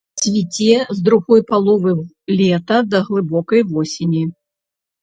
Цвіце з другой паловы лета да глыбокай восені.